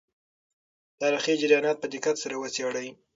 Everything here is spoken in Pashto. تاریخي جریانات په دقت سره وڅېړئ.